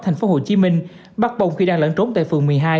thành phố hồ chí minh bắt bồng khi đang lẫn trốn tại phường một mươi hai